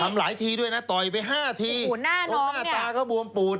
ทำหลายทีด้วยน่ะต่อยไปห้าทีโอ้โหหน้าน้องเนี้ยตรงหน้าตาก็บวมปูด